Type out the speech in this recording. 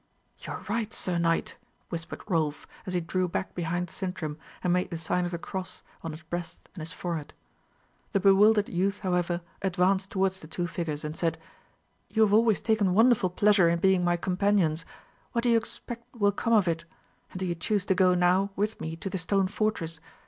"You are right, sir knight," whispered Rolf, as he drew back behind Sintram, and made the Sign of the Cross on his breast and his forehead. The bewildered youth, however, advanced towards the two figures, and said, "You have always taken wonderful pleasure in being my companions. What do you expect will come of it? And do you choose to go now with me to the stone fortress?